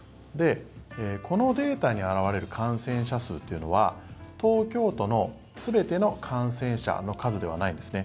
このデータに表れる感染者数というのは東京都の全ての感染者の数ではないんですね。